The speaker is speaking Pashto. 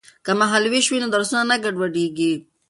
که مهال ویش وي نو درسونه نه ګډوډیږي.